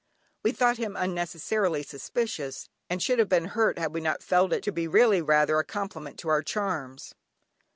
We thought him unnecessarily suspicious, and should have been hurt had we not felt it to be really rather a compliment to our charms.